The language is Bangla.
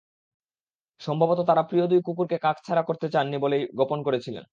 সম্ভবত তাঁরা প্রিয় দুই কুকুরকে কাছছাড়া করতে চাননি বলেই গোপন করেছিলেন।